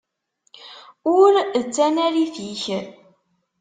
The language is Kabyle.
Ur d tanarit-ik.